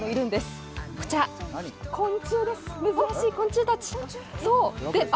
こちら昆虫です、珍しい昆虫たち。